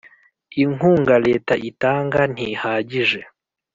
inkunga leta itanga ntihagije